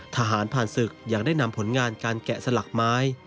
ทหารผ่านศึกยังได้นำผลงานการแกะสลักไม้